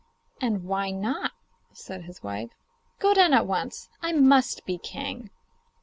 'And why not?' said his wife. 'Go down at once. I must be king.